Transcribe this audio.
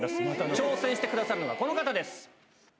挑戦してくださるのは、この方です。